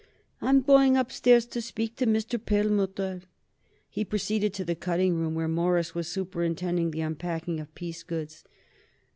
I'm going upstairs to speak to Mr. Perlmutter." He proceeded to the cutting room, where Morris was superintending the unpacking of piece goods.